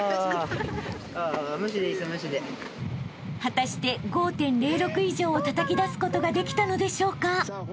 ［果たして５．０６以上をたたき出すことができたのでしょうか？］